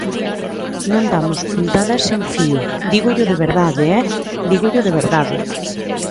Non damos puntada sen fío, dígollo de verdade, ¿eh?, dígollo de verdade.